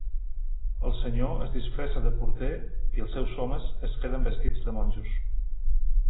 El senyor es disfressa de porter i els seus homes es queden vestits de monjos.